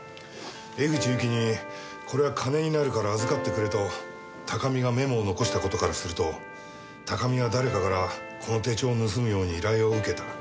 江口ゆきにこれは金になるから預かってくれと高見がメモを残した事からすると高見は誰かからこの手帳を盗むように依頼を受けた。